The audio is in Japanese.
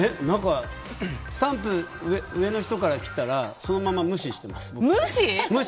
スタンプ、上の人から来たらそのまま無視してます。